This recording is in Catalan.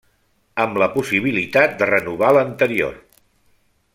Amb la possibilitat de renovar l'anterior.